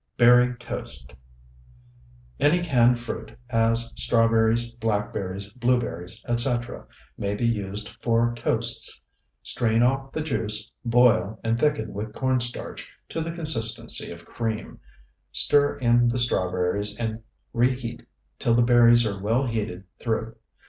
BERRY TOAST Any canned fruit, as strawberries, blackberries, blueberries, etc., may be used for toasts. Strain off the juice, boil, and thicken with corn starch to the consistency of cream. Stir in the strawberries and reheat till the berries are well heated through.